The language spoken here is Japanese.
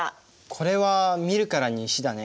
これは見るからに石だね。